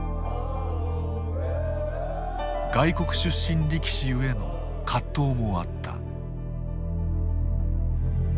外国出身力士ゆえの葛藤もあった。